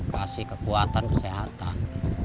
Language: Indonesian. kasih kekuatan kesehatan